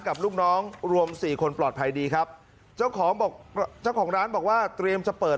กับลูกน้องรวมสี่คนปลอดภัยดีครับเจ้าของบอกเจ้าของร้านบอกว่าเตรียมจะเปิด